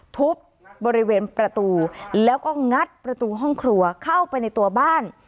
ทุบบริเวณประตูแล้วก็งัดประตูห้องครัวเข้าไปในตัวบ้าน